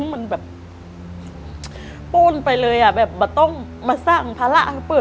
มันแบบโป้นไปเลยอะแบบว่าต้องมาสร้างภาระ